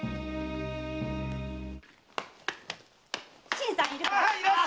新さんいるっ